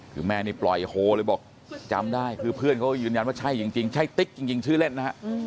คือแม่นี่ปล่อยโฮเลยบอกจำได้คือเพื่อนเขาก็ยืนยันว่าใช่จริงใช่ติ๊กจริงชื่อเล่นนะฮะ